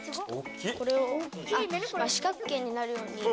これを四角形になるように。